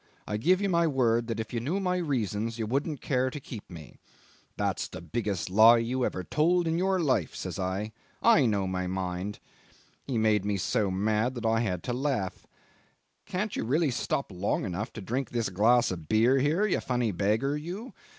I give you my word that if you knew my reasons you wouldn't care to keep me.' 'That's the biggest lie you ever told in your life,' says I; 'I know my own mind.' He made me so mad that I had to laugh. 'Can't you really stop long enough to drink this glass of beer here, you funny beggar, you?